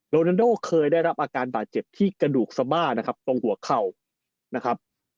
โลนาโดเคยได้รับอาการบาดเจ็บที่กระดูกซาบ้าตรงหัวเข่า